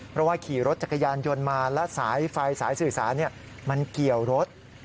เพราะว่าขี่รถจักรยานยนต์มาและสายไฟสายสื่อสารมันเกี่ยวรถ